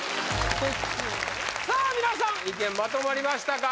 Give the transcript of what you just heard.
さあみなさん意見まとまりましたか？